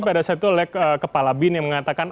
pada satu lek kepala bin yang mengatakan